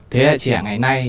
thế hệ trẻ ngày nay